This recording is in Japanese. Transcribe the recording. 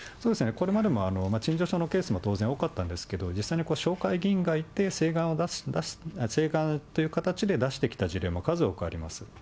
これまでも陳情書のケースも当然多かったんですが、実際に紹介議員がいて、請願という形で出してきた事例も数多くあります。